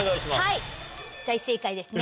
はい大正解ですね。